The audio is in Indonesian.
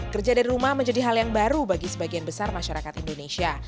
kerja dari rumah menjadi hal yang baru bagi sebagian besar masyarakat indonesia